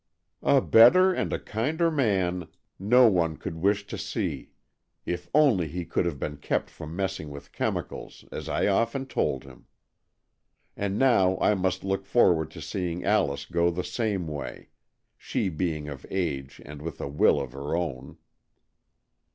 " A better and a kinder man no one 100 AN EXCHANGE OF SOULS could wish to see, if only he could have been kept from messing with chemicals, as I often told him. And now I must look forward to seeing Alice go the same way, she being of age and with a will of her own."